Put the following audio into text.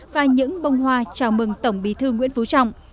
và những bông hoa chào mừng tổng bí thư nguyễn phú trọng